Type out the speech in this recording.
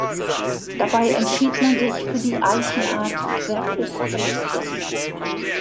Dabei entschied man sich für die Eichen-Art "Quercus palustris".